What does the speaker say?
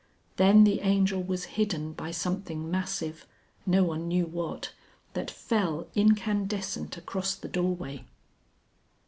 Then the Angel was hidden by something massive (no one knew what) that fell, incandescent, across the doorway.